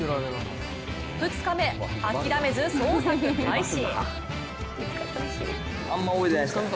２日目、諦めず捜索開始。